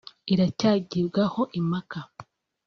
iracyagibwaho impaka